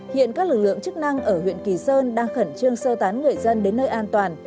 hiện các lực lượng chức năng ở huyện kỳ sơn đang khẩn trương sơ tán người dân đến nơi an toàn